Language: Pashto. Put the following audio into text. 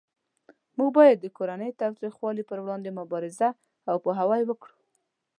موږ باید د کورنۍ تاوتریخوالی پروړاندې مبارزه او پوهاوی وکړو